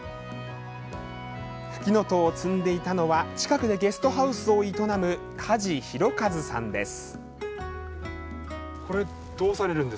ふきのとうを摘んでいたのは近くでゲストハウスを営む鍜治博一さんです。